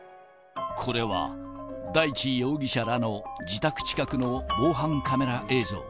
これは、大地容疑者らの自宅近くの防犯カメラ映像。